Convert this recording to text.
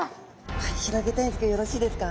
広げたいんですけどよろしいですか？